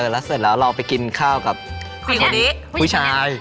แต่ว่าอันเนี้ยอ่ะพลิกแพงนิดหน่อย